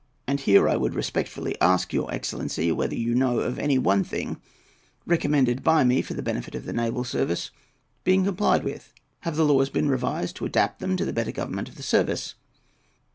And here I would respectfully ask your excellency whether you know of any one thing recommended by me for the benefit of the naval service being complied with? Have the laws been revised to adapt them to the better government of the service?